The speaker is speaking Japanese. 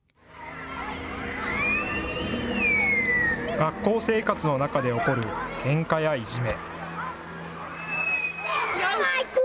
学校生活の中で起こる、けんかやいじめ。